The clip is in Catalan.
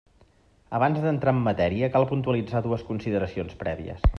Abans d'entrar en matèria, cal puntualitzar dues consideracions prèvies.